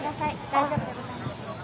大丈夫でございます。